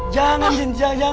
jangan jin jangan